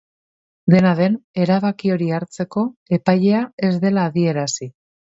Dena den, erabaki hori hartzeko epailea ez dela adierazi.